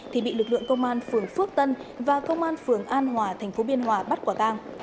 thì bị lực lượng công an phường phước tân và công an phường an hòa thành phố biên hòa bắt quả tang